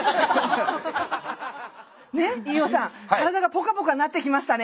飯尾さん体がポカポカなってきましたね？